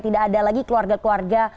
tidak ada lagi keluarga keluarga